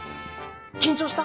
緊張した？